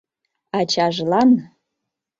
— Ачажла-ан!